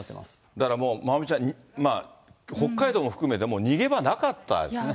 だからもう、まおみちゃん、北海道も含めて、もう逃げ場なかったですね。